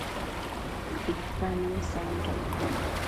Tsitsanën sando